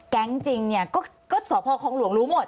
แก๊งจริงก็สอบพอร์ของหลวงรู้หมด